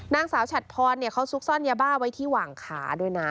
นางสาวฉัดพรเขาซุกซ่อนยาบ้าไว้ที่หว่างขาด้วยนะ